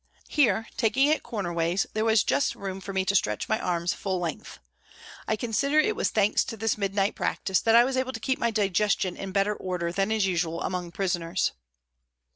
Here, taking it corner ways, there was just room for me to stretch my arms full length. I consider it was thanks to this midnight practice that I was able to keep my digestion in better order than is usual among prisoners.